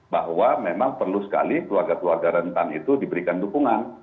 bahwa memang perlu sekali keluarga keluarga rentan itu diberikan dukungan